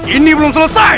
ini belum selesai